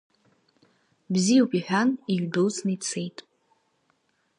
Бзиоп, иҳан, иҩдәылҵны ицет.